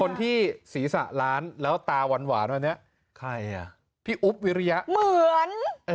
คนที่สีสะล้านแล้วตาหวานวันนี้พี่อุ๊บเวรียะเหมือน